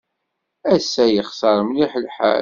Ass-a yexṣer mliḥ lḥal.